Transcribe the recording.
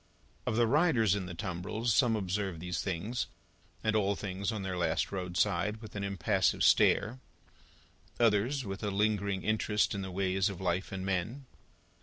Of the riders in the tumbrils, some observe these things, and all things on their last roadside, with an impassive stare; others, with a lingering interest in the ways of life and men.